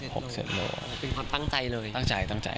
๖๗โลกรัมเป็นความตั้งใจเลยตั้งใจ